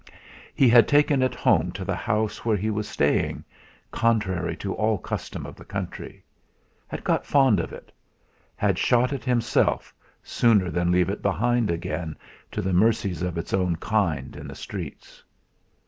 He had taken it home to the house where he was staying, contrary to all custom of the country; had got fond of it; had shot it himself, sooner than leave it behind again to the mercies of its own kind in the streets.